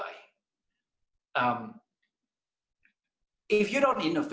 jika anda tidak inovasi